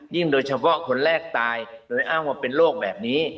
โดยเฉพาะคนแรกตายโดยอ้างว่าเป็นโรคแบบนี้